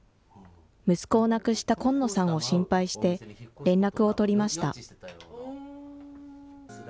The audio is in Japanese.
息子を亡くした金野さんを心配して連絡を取りました。